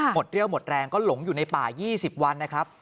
เรี่ยวหมดแรงก็หลงอยู่ในป่า๒๐วันนะครับ